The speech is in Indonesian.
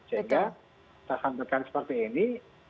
sehingga kita sampaikan seperti ini